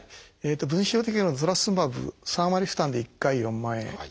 分子標的薬のトラスツズマブ３割負担で１回４万円。